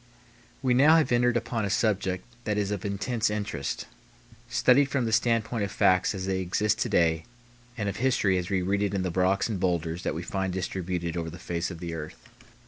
We now have entered upon a subject that is of intense interest, studied from the standpoint of facts as they exist to day and of history as we read it in the rocks and bowlders that we find distributed over the face of the earth.